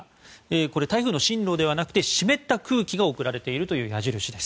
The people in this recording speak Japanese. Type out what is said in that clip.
これは台風の進路ではなく湿った空気が送られているという矢印です。